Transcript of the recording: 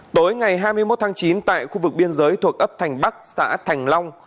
tối ngày hai mươi một tháng chín tại khu vực biên giới thuộc ấp thành bắc xã thành long